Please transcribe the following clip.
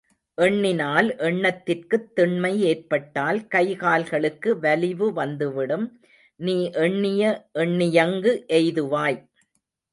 எண்ணினால், எண்ணத்திற்குத் திண்மை ஏற்பட்டால் கை கால்களுக்கு வலிவு வந்துவிடும் நீ எண்ணிய எண்ணியங்கு எய்துவாய்?